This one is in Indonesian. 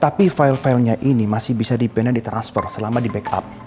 tapi file filenya ini masih bisa dipenet dan ditransfer selama di backup